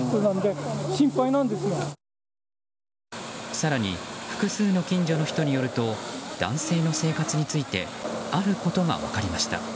更に複数の近所の人によると男性の生活についてあることが分かりました。